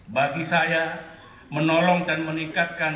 bagi saya menolong dan meningkatkan